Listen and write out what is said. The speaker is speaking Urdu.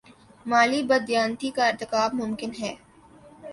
مالی بد دیانتی کا ارتکاب ممکن ہے۔